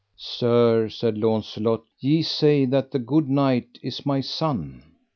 Sir, said Launcelot, ye say that that good knight is my son.